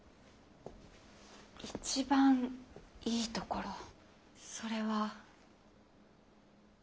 一番いいところそれは。